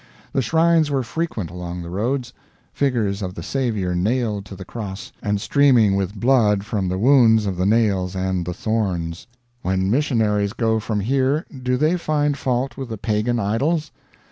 The shrines were frequent along the roads figures of the Saviour nailed to the cross and streaming with blood from the wounds of the nails and the thorns. "When missionaries go from here do they find fault with the pagan idols?